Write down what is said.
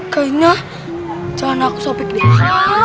kayaknya jalanan aku sobek deh